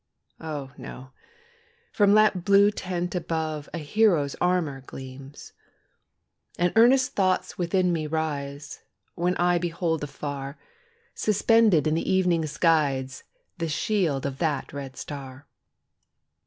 Oh, no! from that blue tent above, A hero's armour gleams. And earnest thoughts within me rise, When I behold afar, Suspended in the evening skies The shield of that red star.